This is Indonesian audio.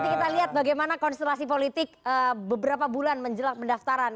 nanti kita lihat bagaimana konstelasi politik beberapa bulan menjelak pendaftaran